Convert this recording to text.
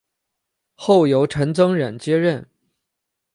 后由陈增稔接任。